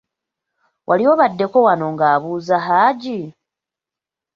Wali obaddeko wano ng'abuuza Hajji?